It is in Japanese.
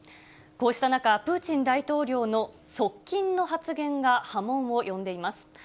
こうした中、プーチン大統領の側近の発言が波紋を呼んでいます。